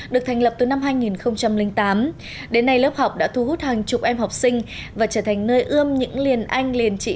được thành lập từ năm hai nghìn tám đến nay lớp học đã thu hút hàng chục em học sinh và trở thành nơi ươm những liền anh liền trị